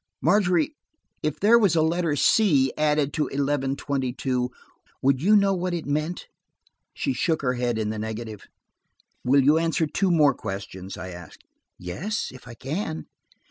"Margery, if there was a letter 'C' added to eleven twenty two, would you know what it meant?" She shook her head in the negative. "Will you answer two more questions?" I asked. "Yes, if I can."